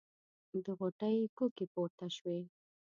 د غوټۍ کوکې پورته شوې.